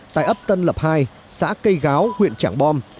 tại ấp tân lập hai xã cây gáo huyện trảng bom